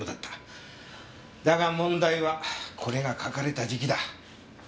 だが問題はこれが書かれた時期だ。